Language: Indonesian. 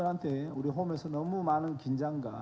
tanpa menikmati permainan